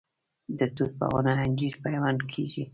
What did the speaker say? د توت په ونه انجیر پیوند کیږي؟